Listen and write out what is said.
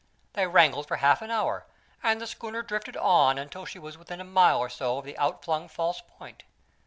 They wrangled for half an hour, and the schooner drifted on until she was within a mile or so of the outflung false Point.